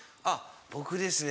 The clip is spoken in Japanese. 僕ですね